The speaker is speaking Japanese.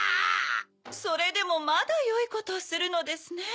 それでもまだよいことをするのですね。